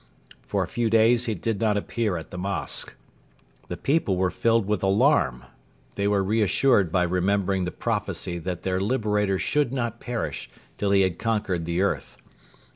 For a few days he did not appear at the mosque. The people were filled with alarm. They were reassured by remembering the prophecy that their liberator should not perish till he had conquered the earth.